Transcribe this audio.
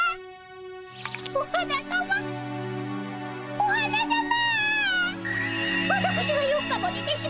お花さま。